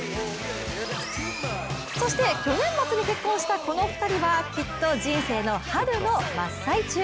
そして去年末に結婚したこの２人はきっと人生の春の真っ最中。